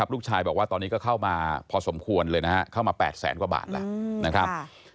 ลูกชายบอกว่าตอนนี้ก็เข้ามาพอสมควรเลยนะฮะเข้ามา๘แสนกว่าบาทแล้วนะครับ